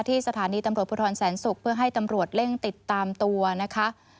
สถานีตำรวจภูทรแสนศุกร์เพื่อให้ตำรวจเร่งติดตามตัวนะคะ